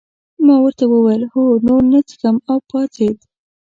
ما ورته وویل هو نور نه څښم او پاڅېد.